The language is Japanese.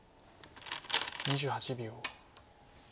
２８秒。